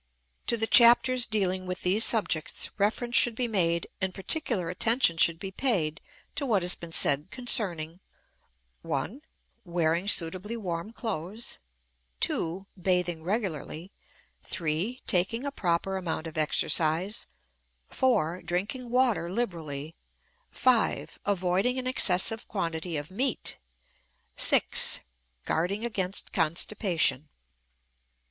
To the chapters dealing with these subjects reference should be made and particular attention should be paid to what has been said concerning: (1) Wearing suitably warm clothes, (2) Bathing regularly, (3) Taking a proper amount of exercise, (4) Drinking water liberally, (5) Avoiding an excessive quantity of meat, (6) Guarding against constipation.